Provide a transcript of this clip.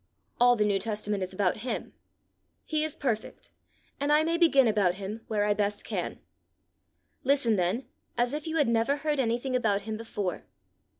All the New Testament is about him. He is perfect, and I may begin about him where I best can. Listen then as if you had never heard anything about him before.